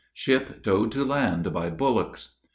] SHIP TOWED TO LAND BY BULLOCKS.